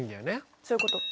そういうこと。